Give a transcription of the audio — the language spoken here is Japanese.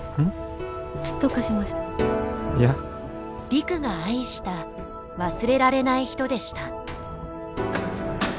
陸が愛した忘れられない人でした。